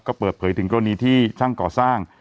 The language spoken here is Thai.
ก็เปิดเผยถึงกรณีที่ช่างก่อสร้าง